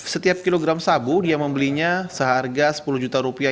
setiap kilogram sabu dia membelinya seharga sepuluh juta rupiah